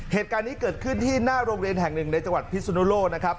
เหตุการณ์นี้เกิดขึ้นที่หน้าโรงเรียนแห่งหนึ่งในจังหวัดพิสุนุโลกนะครับ